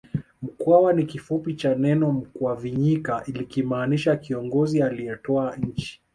Mkwawa ni kifupi cha neno Mukwavinyika likimaanisha kiongozi aliyetwaa nchi